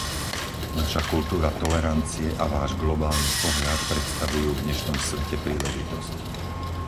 Vaša kultúra tolerancie a váš globálny pohľad predstavujú v dnešnom svete príležitosť.